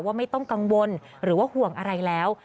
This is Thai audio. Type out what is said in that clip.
ไม่ต้องกังวลหรือว่าห่วงอะไรแล้ว